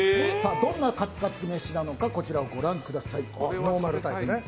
どんなカツカツ飯なのかこちらをご覧ください。